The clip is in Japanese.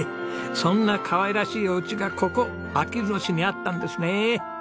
そんなかわいらしいお家がここあきる野市にあったんですね。